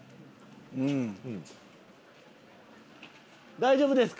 大丈夫ですか？